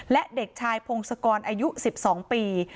และเด็กชายพงศกรอายุ๑๒ปี